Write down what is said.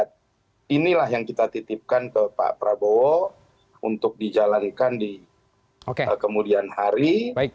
nah inilah yang kita titipkan ke pak prabowo untuk dijalankan di kemudian hari